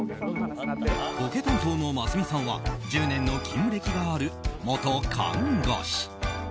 ボケ担当のますみさんは１０年の勤務歴がある元看護師。